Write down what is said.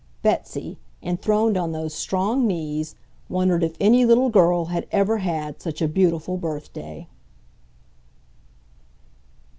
Betsy, enthroned on those strong knees, wondered if any little girl had ever had such a beautiful birthday.